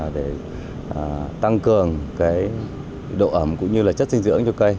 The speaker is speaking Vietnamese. để tăng cường độ ẩm cũng như chất sinh dưỡng cho cây